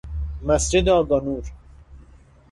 مسجد آقا نور